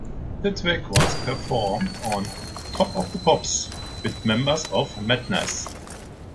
The track was performed on "Top of the Pops" with members of Madness.